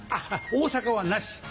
大阪はなし。